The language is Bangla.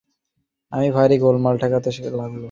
আমার ভারি গোলমাল ঠেকতে লাগল।